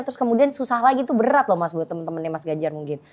terus kemudian susah lagi itu berat loh mas buat teman teman mas gajar mungkin